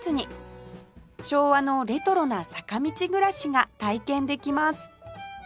昭和のレトロな坂道暮らしが体験できます